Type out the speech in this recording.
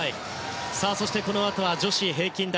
そしてこのあとは女子平均台。